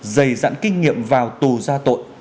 dày dặn kinh nghiệm vào tù ra tội